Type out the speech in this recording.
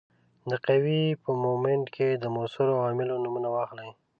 د قوې په مومنټ کې د موثرو عواملو نومونه واخلئ.